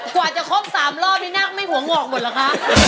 กว่าจะคบ๓รอบนี่หน้าก็ไม่ห่วงออกบทละคะ